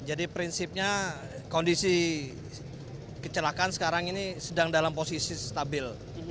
jadi prinsipnya kondisi kecelakaan sekarang ini sedang dalam posisi stabil